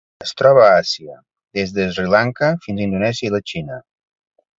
Es troba a Àsia: des de Sri Lanka fins a Indonèsia i la Xina.